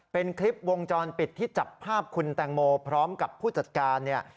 เป็นคลิปวงจรปิดที่จับภาพคุณแตงโมพร้อมกับผู้จัดการเนี่ย